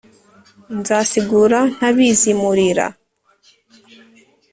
nzasigura ntabizimurira